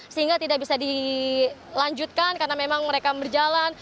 sehingga tidak bisa dilanjutkan karena memang mereka berjalan